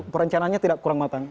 perencanaannya tidak kurang matang